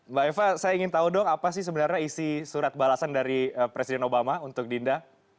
mbak eva saya ingin tahu dong apa sih sebenarnya isi surat balasan dari presiden obama untuk dinda